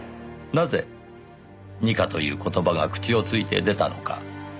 なぜ二課という言葉が口をついて出たのか。